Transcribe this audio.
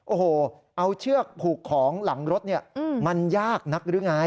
โอ้โหเอาเชือกผูกของหลังรถเนี่ยมันยากนักหรือไง